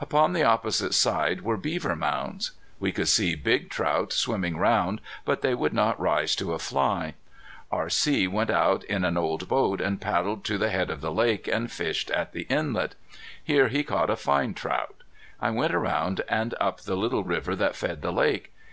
Upon the opposite side were beaver mounds. We could see big trout swimming round, but they would not rise to a fly. R.C. went out in an old boat and paddled to the head of the lake and fished at the inlet. Here he caught a fine trout. I went around and up the little river that fed the lake.